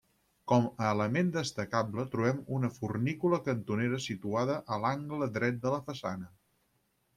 Com a element destacable trobem una fornícula cantonera situada a l'angle dret de la façana.